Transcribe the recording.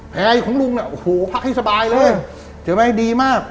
แพรของลุงเนี่ยโอ้โหพักให้สบายเลยใช่ไหมดีมาก